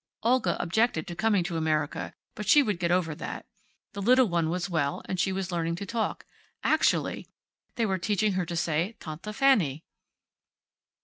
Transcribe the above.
Olga objected to coming to America, but she would get over that. The little one was well, and she was learning to talk. Actually! They were teaching her to say Tante Fanny.